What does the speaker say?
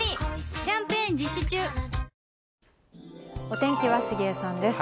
お天気は杉江さんです。